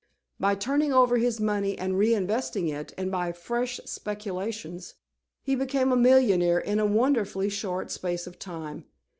By turning over his money and re investing it, and by fresh speculations, he became a millionaire in a wonderfully short space of time.